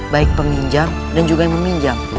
baik peminjam dan juga yang meminjam